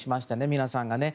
皆さんがね。